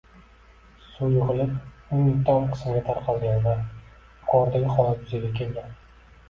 Suv yigʻilib, uyning tom qismiga tarqalgan va yuqoridagi holat yuzaga kelgan.